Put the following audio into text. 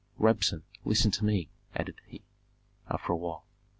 "Rabsun, listen to me," added he, after a while.